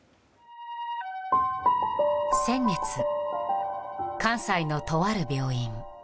先月、関西のとある病院。